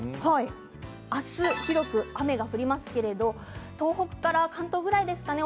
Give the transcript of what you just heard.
明日、広く雨が降りますけれど東北から関東ぐらいですね